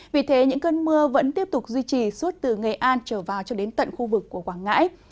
vì thế những cơn mưa vẫn tiếp tục duy trì suốt từ nghệ an trở vào cho đến tận khu vực của quảng ngãi